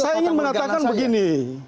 saya ingin mengatakan begini